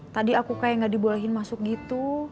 tadi aku kayak gak dibolehin masuk gitu